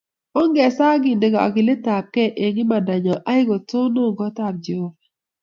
Ongesaa akende kagilitap kei eng imanda nyo aikotonon kotab Jehova